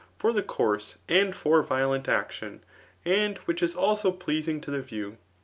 for the course^ amd ftir violent action, and which is also pleasng to the iriew.